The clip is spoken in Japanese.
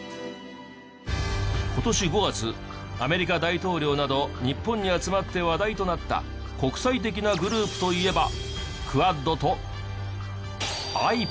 今年５月アメリカ大統領など日本に集まって話題となった国際的なグループといえば。